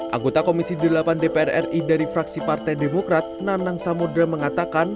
anggota komisi delapan dpr ri dari fraksi partai demokrat nanang samudera mengatakan